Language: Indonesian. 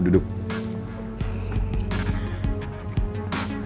tidak ada apa